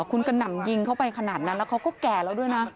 คุณกระหน่ำยิงเข้าไปขนาดนั้นแล้วเขาก็แก่แล้วด้วยนะ